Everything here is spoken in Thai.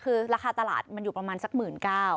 คือราคาตลาดมันอยู่ประมาณสักหมื่นก้าว